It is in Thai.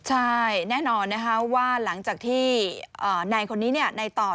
ใช่แน่นอนนะคะว่าหลังจากที่นายคนนี้นายต่อ